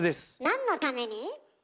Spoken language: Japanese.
何のために？